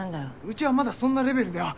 うちはまだそんなレベルでは。